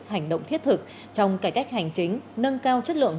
hành động thiết thực trong cải cách hành chính nâng cao chất lượng